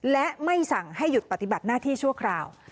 และไม่สั่งให้หยุดปฏิบัติหน้าที่ชั่วคราว